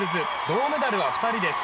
銅メダルは２人です。